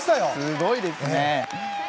すごいですね。